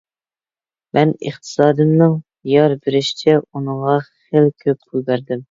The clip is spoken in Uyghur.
مەن ئىقتىسادىمنىڭ يار بېرىشىچە ئۇنىڭغا خېلى كۆپ پۇل بەردىم.